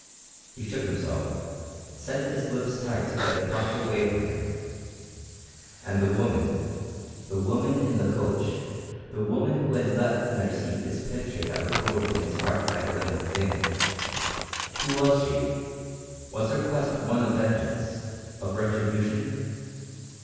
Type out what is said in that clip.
He shook himself, set his lips tight to get the thought away from him. And the woman the woman in the coach, the woman who had left in her seat this picture that was growing in his heart like a living thing who was she? Was her quest one of vengeance of retribution?